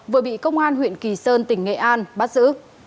vừa bị công an huyện kỳ sơn tỉnh nghệ an bắt giữ